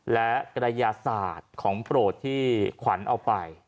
และกระยาศาสตร์ของโปรดที่ขวัญเอาไป